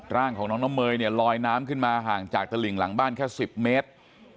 ร่างของน้องน้ำเมยเนี่ยลอยน้ำขึ้นมาห่างจากตลิ่งหลังบ้านแค่๑๐เมตร